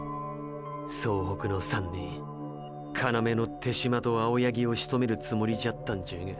総北の３年要の手嶋と青八木をしとめるつもりじゃったんじゃが。